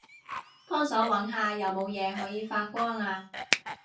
幫手搵下有冇嘢可以發光吖